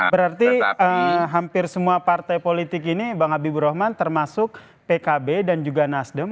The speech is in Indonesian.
berarti hampir semua partai politik ini bang habibur rahman termasuk pkb dan juga nasdem